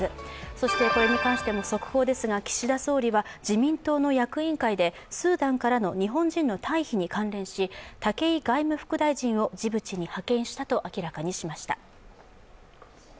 そしてこれに関しても速報ですが岸田総理は自民党の役員会でスーダンからの日本人の退避に関連し、武井外務副大臣をジブチに派遣したと明らかにしました。